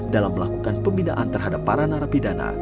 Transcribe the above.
dalam melakukan pembinaan terhadap para narapidana